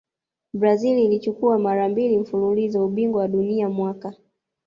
brazil ilichukua mara mbili mfululizo ubingwa wa dunia mwaka